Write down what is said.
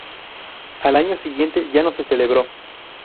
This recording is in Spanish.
Al año siguiente ya no se celebró.